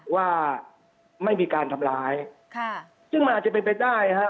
ว่าไม่มีการทำร้ายค่ะซึ่งมันอาจจะเป็นไปได้ฮะ